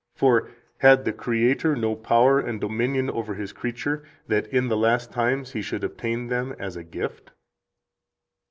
For had the Creator no power and dominion over His creature, that in the last times He should obtain them as a gift?"